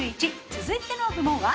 続いての部門は？